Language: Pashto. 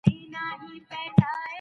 هغه کتاب چي پاچا ته لیکل سوی مه لوله.